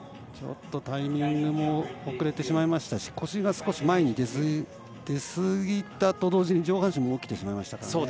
ちょっとタイミングも遅れてしまいましたし腰が少し前に出すぎたと同時に上半身も起きてしまいました。